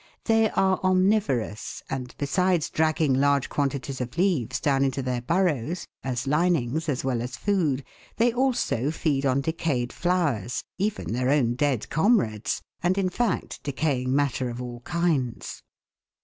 They are omnivorous, and besides dragging large quantities of leaves down into their burrows, as linings as well as food, they also feed on decayed flowers, even their own dead comrades, and in fact decaying matter of all kinds.